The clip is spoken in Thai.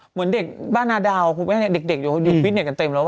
เหมือนเด็กบ้านนาดาวคุณแม่เนี่ยเด็กอยู่ฟิตเน็ตกันเต็มแล้ว